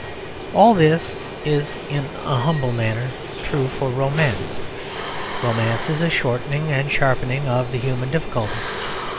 All this is, in a humble manner, true for romance. Romance is a shortening and sharpening of the human difficulty.